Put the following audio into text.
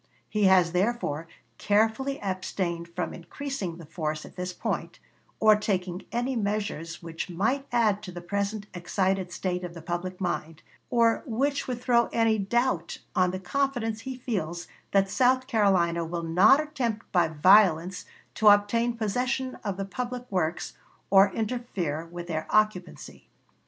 He has, therefore, carefully abstained from increasing the force at this point, or taking any measures which might add to the present excited state of the public mind, or which would throw any doubt on the confidence he feels that South Carolina will not attempt by violence to obtain possession of the public works or interfere with their occupancy.